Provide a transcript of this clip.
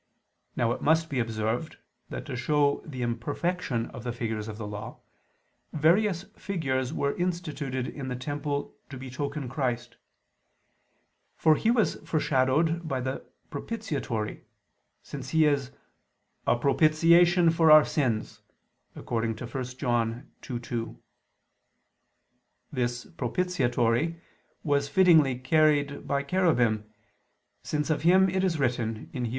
Now it must be observed that to show the imperfection of the figures of the Law, various figures were instituted in the temple to betoken Christ. For He was foreshadowed by the "propitiatory," since He is "a propitiation for our sins" (1 John 2:2). This propitiatory was fittingly carried by cherubim, since of Him it is written (Heb.